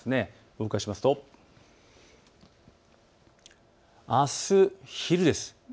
動かしますとあす昼です。